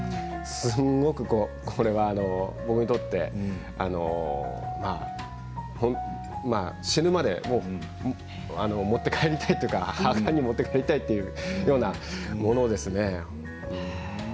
すんごくこれは僕にとってまあ死ぬまで持って帰りたいというか墓に持って帰りたいというようなものですね。